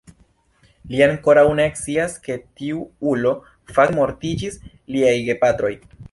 Li ankoraŭ ne scias ke tiu ulo fakte mortiĝis liaj gepatroj.